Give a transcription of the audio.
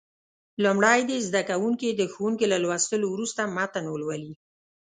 لومړی دې زده کوونکي د ښوونکي له لوستلو وروسته متن ولولي.